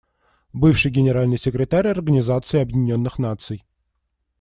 Бывший Генеральный секретарь Организации Объединенных Наций.